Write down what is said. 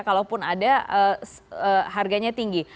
kalaupun ada harganya tinggi